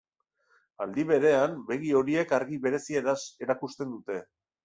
Aldi berean, begi horiek argi berezia erakusten dute.